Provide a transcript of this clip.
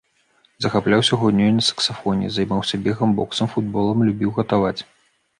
Захапляўся гульнёй на саксафоне, займаўся бегам, боксам, футболам, любіў гатаваць.